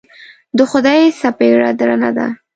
د خدای څپېړه درنه ده.